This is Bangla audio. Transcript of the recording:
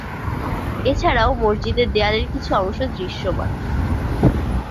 এছাড়াও মসজিদের দেয়ালের কিছু অংশ দৃশ্যমান।